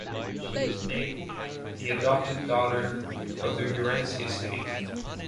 She was named the adopted daughter of the Ourense city.